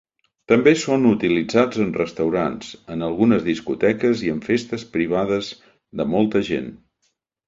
També són utilitzats en restaurants, en algunes discoteques i en festes privades de molta gent.